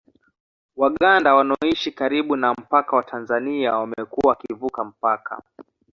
Waganda wanaoishi karibu na mpaka wa Tanzania wamekuwa wakivuka mpaka